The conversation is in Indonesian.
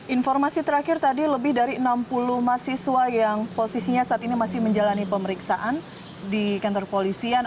informasi terakhir tadi lebih dari enam puluh mahasiswa yang posisinya saat ini masih menjalani pemeriksaan di kantor polisian